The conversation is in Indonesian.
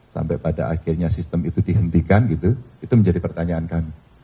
sampai pada akhirnya sistem itu dihentikan gitu itu menjadi pertanyaan kami